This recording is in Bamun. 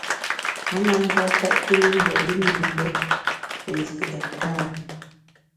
Me na njap tèt kilu ngùet yùm yim mbe te ndi ektari.